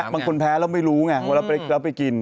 บางคนแพ้แล้วไม่รู้ไงว่าเราไปกิน